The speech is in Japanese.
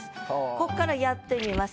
ここからやってみます。